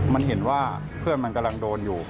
มันเห็นว่าเพื่อนมันกำลังโดนอยู่